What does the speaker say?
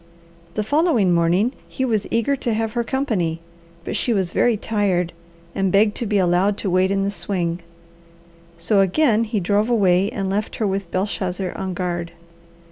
The following morning he was eager to have her company, but she was very tired and begged to be allowed to wait in the swing, so again he drove away and left her with Belshazzar on guard.